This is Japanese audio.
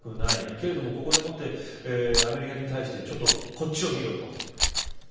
けれどもここでもってアメリカに対してこっちを見ろと。